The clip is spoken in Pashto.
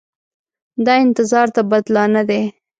دا انتظار د بدلانه دی.